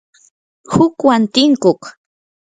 hukwan tinkuq